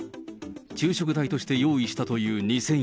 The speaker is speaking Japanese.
昼食代として用意したという２０００円。